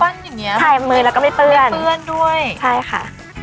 ปั้นอย่างนี้หรอไม่เปื้อนด้วยใช่ค่ะ